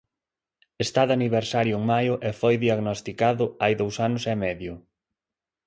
Está de aniversario en maio e foi diagnosticado hai dous anos e medio.